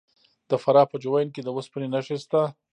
د فراه په جوین کې د وسپنې نښې شته.